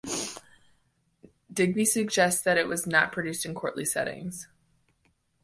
Digby suggests that it was not produced in courtly settings.